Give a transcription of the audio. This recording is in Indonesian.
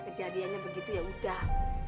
kejadiannya begitu ya udah